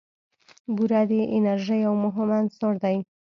بوره د انرژۍ یو مهم عنصر دی.